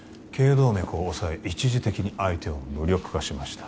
動脈を押さえ一時的に相手を無力化しました